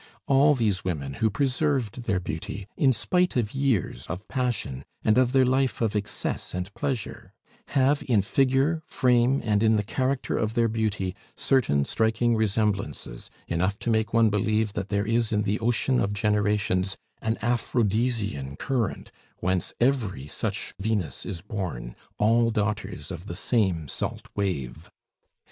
all these women who preserved their beauty in spite of years, of passion, and of their life of excess and pleasure, have in figure, frame, and in the character of their beauty certain striking resemblances, enough to make one believe that there is in the ocean of generations an Aphrodisian current whence every such Venus is born, all daughters of the same salt wave.